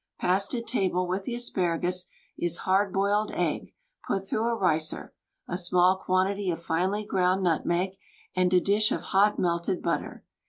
Passed at table, with the asparagus, is hard boiled egg, put through a ricer, a small quantity of finely ground nutmeg and a dish of hot, melted butter.